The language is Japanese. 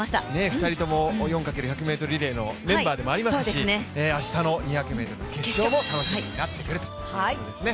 ２人とも４×１００ｍリレーのメンバーでもありますし明日の２００ｍ決勝も楽しみになってくるということですね。